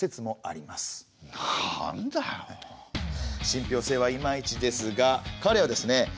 信ぴょう性はいまいちですが彼はですね